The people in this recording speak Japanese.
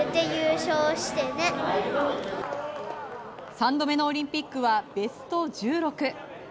３度目のオリンピックはベスト１６。